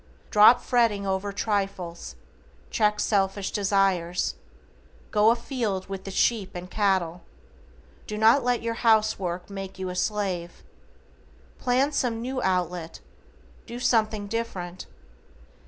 Drop fretting over trifles, check selfish desires, go afield with the sheep and cattle, do not let your house work make you a slave. PLAN some new outlet, do something different.